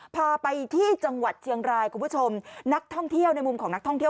พาไปที่จังหวัดเชียงรายคุณผู้ชมนักท่องเที่ยวในมุมของนักท่องเที่ยว